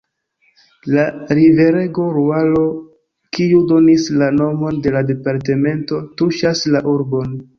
La riverego Luaro, kiu donis la nomon de la departemento, tuŝas la urbon.